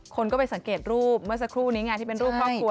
คนก็ไปสังเกตรูปเมื่อสักครู่นี้ไงที่เป็นรูปครอบครัว